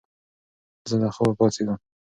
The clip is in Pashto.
زه له خوبه پاڅېږم.